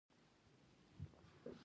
ښځه یې په دیګونو مینځلو بوخته وه.